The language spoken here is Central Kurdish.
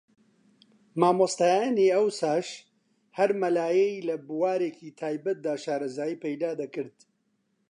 مامۆستایانی ئەوساش ھەر مەلایەی لە بوارێکی تایبەتدا شارەزایی پەیدا دەکرد